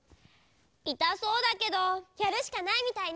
いたそうだけどやるしかないみたいね。